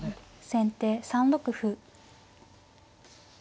先手３六歩。